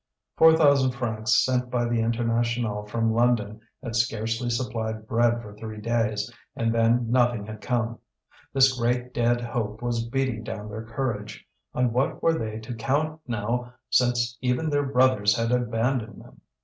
Four thousand francs sent by the International from London had scarcely supplied bread for three days, and then nothing had come. This great dead hope was beating down their courage. On what were they to count now since even their brothers had abandoned them?